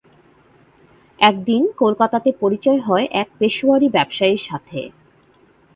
একদিন কলকাতাতে পরিচয় হয় এক পেশোয়ারী ব্যবসায়ীর সাথে।